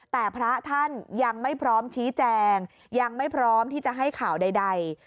แต่พระท่านยังไม่พร้อมชี้แจงยังไม่พร้อมที่จะให้ข่าวใด